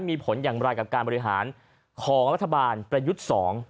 มีผลอย่างไรกับการบริหารของรัฐบาลประยุทธ์๒